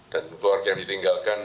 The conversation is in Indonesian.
dan keluarga yang ditinggalkan